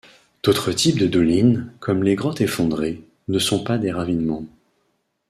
D'autres types de dolines, comme les grottes effondrées, ne sont pas des ravinements.